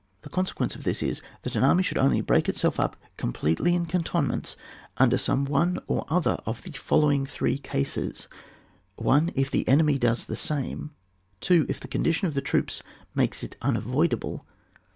The consequence of this is, that an army should only break itself up com pletely in cantonments under some one or other of the three following cases : 1. If the enemy does the same. 2. If the condition of the troops makes it unavoidable.